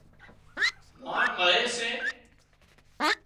مانَ مۯي سي